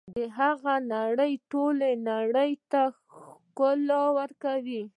د هغه نړۍ ټولې نړۍ ته ښکلا ورکړه.